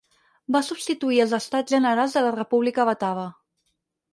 Va substituir els Estats Generals de la República Batava.